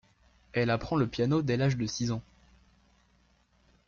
Elle apprend le piano dès l'âge de six ans.